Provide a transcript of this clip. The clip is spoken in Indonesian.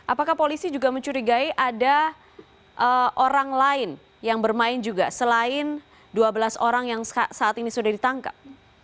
apakah polisi juga mencurigai ada orang lain yang bermain juga selain dua belas orang yang saat ini sudah ditangkap